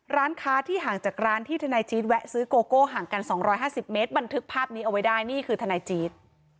ร้านค้าที่ห่างจากร้านที่ทนายจี๊ดแวะซื้อโกโก้ห่างกัน๒๕๐เมตรบันทึกภาพนี้เอาไว้ได้นี่คือทนายจี๊ด